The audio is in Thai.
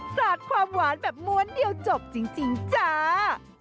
สาดความหวานแบบม้วนเดียวจบจริงจ้า